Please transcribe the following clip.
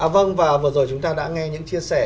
vâng và vừa rồi chúng ta đã nghe những chia sẻ